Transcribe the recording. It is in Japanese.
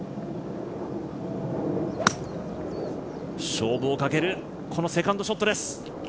勝負をかけるセカンドショットです。